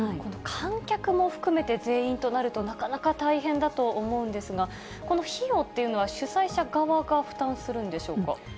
観客も含めて全員となると、なかなか大変だと思うんですが、この費用っていうのは主催者側が負担するんでしょうか。